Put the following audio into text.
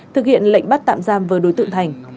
thực hiện lệnh bắt tạm giam với đối tượng thành